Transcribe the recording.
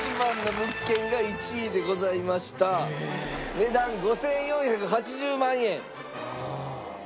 値段５４８０万円。